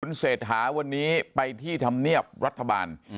คุณเศษหาวันนี้ไปที่ทำเนียบรัฐบาล